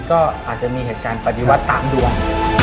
ก็อาจจะมีเหตุการณ์ปฏิวัติตามดวง